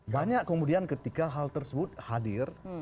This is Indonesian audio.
banyak kemudian ketika hal tersebut hadir